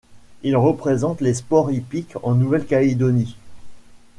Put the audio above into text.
Il représente les sports hippiques en Nouvelle-Calédonie.